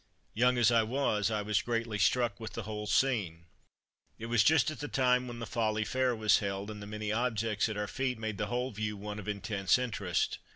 Young as I was, I was greatly struck with the whole scene. It was just at the time when the Folly Fair was held, and the many objects at our feet made the whole view one of intense interest.